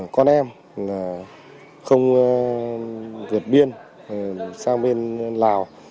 con em không vượt biên sang bên lào